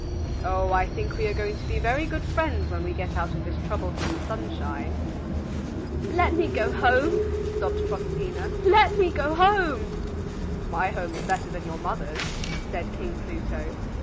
Oh, I think we are going to be very good friends when we get out of this troublesome sunshine." "Let me go home," sobbed Proserpina, "let me go home." "My home is better than your mother's," said King Pluto.